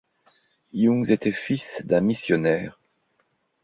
Youngs était fils d'un missionnaire.